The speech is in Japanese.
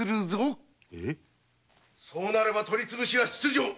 そうなれば取りつぶしは必定。